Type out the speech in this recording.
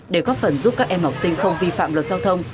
để góp phần giúp các em học sinh không vi phạm luật giao thông